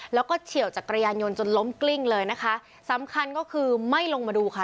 แล้วก็เฉียวจักรยานยนต์จนล้มกลิ้งเลยนะคะสำคัญก็คือไม่ลงมาดูค่ะ